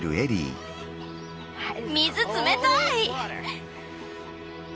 水冷たい！